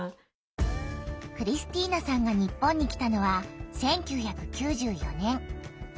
クリスティーナさんが日本に来たのは１９９４年。